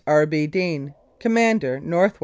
R. B. DEANE, "Commander N.W.